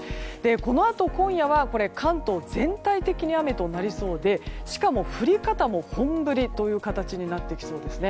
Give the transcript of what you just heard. このあと今夜は関東全体的に雨となりそうでしかも降り方も本降りという形になってきそうですね。